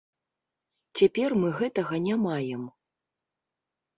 Цяпер мы гэтага не маем.